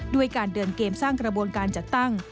ด้วยการเดินเกมสร้างกระบวนการจัดตั้ง